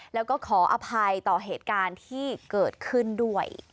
แล้วก็ขออภัยต่อเหตุการณ์ที่เกิดขึ้นด้วย